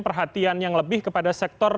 perhatian yang lebih kepada